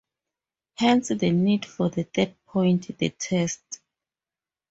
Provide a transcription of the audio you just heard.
Hence the need for the third point, the test.